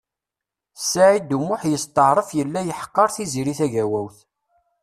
Saɛid U Muḥ yesṭeɛref yella yeḥqer Tiziri Tagawawt.